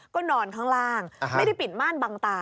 ก็นอนข้างล่างไม่ได้ปิดม่านบางตา